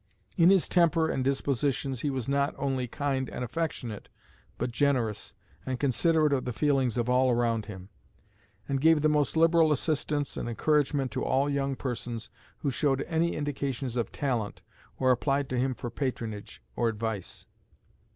In his temper and dispositions he was not only kind and affectionate, but generous, and considerate of the feelings of all around him; and gave the most liberal assistance and encouragement to all young persons who showed any indications of talent, or applied to him for patronage or advice.